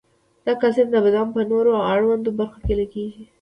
دا کلسیم د بدن په نورو اړوندو برخو کې لګیږي.